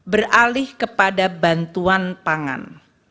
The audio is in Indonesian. beralih kepada bantuan pangan